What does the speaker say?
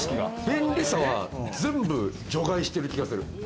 便利さは全部除外してる気がする。